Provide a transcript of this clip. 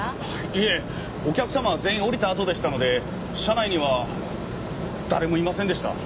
いえお客様は全員降りたあとでしたので車内には誰もいませんでした。